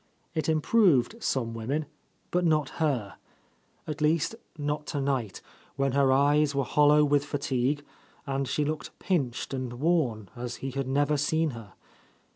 It improved some women, but not her, — at least, not tonight, when her eyes were hol low with fatigue, and she looked pinched and Worn as he had never seen her.